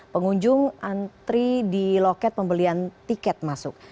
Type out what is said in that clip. pengunjung antri di loket pembelian tiket masuk